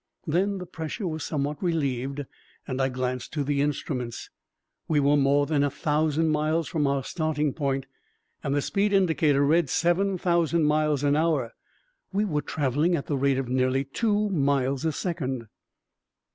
Then, the pressure was somewhat relieved and I glanced to the instruments. We were more than a thousand miles from our starting point and the speed indicator read seven thousand miles an hour. We were traveling at the rate of nearly two miles a second!